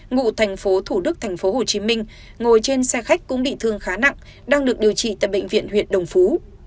ngụ thành phố thủ đức thành phố hồ chí minh ngồi trên xe khách cũng bị thương khá nặng đang được điều trị tại bệnh viện huyện đồng phú